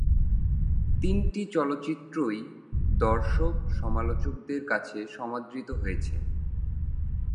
তিনটি চলচ্চিত্রই দর্শক-সমালোচকদের কাছে সমাদৃত হয়েছে।